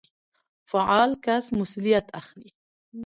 فعال کس مسوليت اخلي.